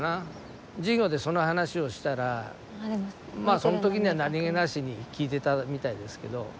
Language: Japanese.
授業でその話をしたらその時には何げなしに聞いてたみたいですけど。